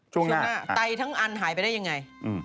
ช่วงหน้าไตทั้งอันหายไปได้ยังไง